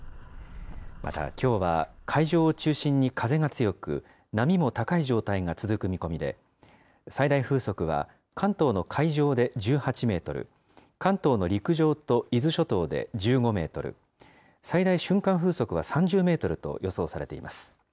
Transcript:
また、きょうは海上を中心に風が強く、波も高い状態が続く見込みで、最大風速は関東の海上で１８メートル、関東の陸上と伊豆諸島で１５メートル、最大瞬間風速は３０メートルと予想されています。